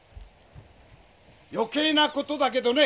余計な事だけどね